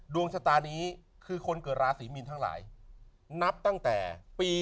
ดวงชะตานี้คือคนเกิดราศีมีนทั้งหลายนับตั้งแต่ปี๒๕